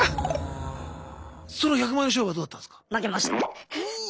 その１００万円の勝負はどうだったんすか？